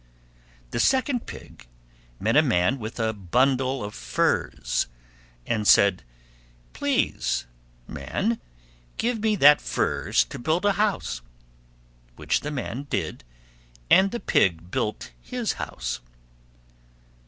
The second Pig met a Man with a bundle of furze, and said, "Please, Man, give me that furze to build a house"; which the Man did, and the Pig built his house.